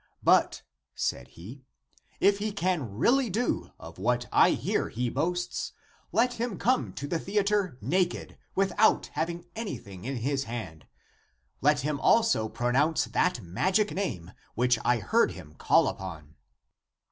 But," said he, "if he can (really do) of what I hear he boasts, let him come to the theatre naked, without having anything in his hand ; let him also pronounce that magic name which I heard him call upon